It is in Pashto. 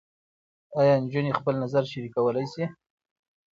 ایا نجونې خپل نظر شریکولی شي؟